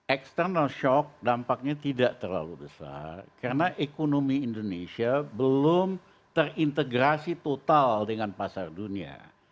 external shock dampaknya tidak terlalu besar karena ekonomi indonesia belum terintegrasi total dengan pasar dunia